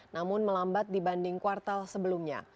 namun melambat dibanding kuartal sebelumnya